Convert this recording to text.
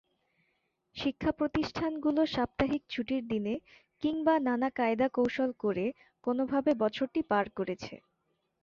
শিক্ষাপ্রতিষ্ঠানগুলো সাপ্তাহিক ছুটির দিনে কিংবা নানা কায়দা-কৌশল করে কোনোভাবে বছরটি পার করেছে।